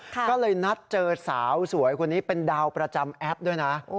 ก็เลยนัดเจอสาวสวยคนนี้เป็นดาวประจำแอปด้วยนะ